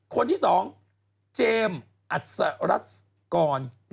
คนที่๒เจมส์อัศรัสกร